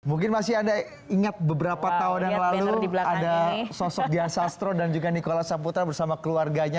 mungkin masih anda ingat beberapa tahun yang lalu ada sosok dia sastro dan juga nikola saputra bersama keluarganya